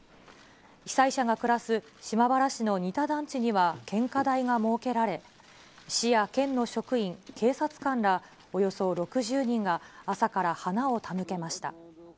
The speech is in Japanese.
被災者が暮らす島原市の仁田団地には献花台が設けられ、市や県の職員、警察官らおよそ６０人が朝から花を手向けました。